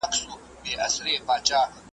کتابونه د پاچاهانو د چاپلوسۍ لپاره لیکل سوي.